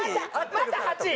また８位。